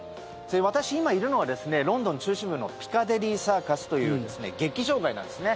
私、今いるのはロンドン中心部のピカデリーサーカスという劇場街なんですね。